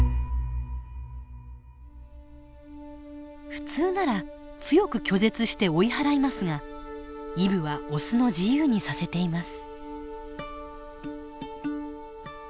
普通なら強く拒絶して追い払いますがイブはオスの自由にさせています。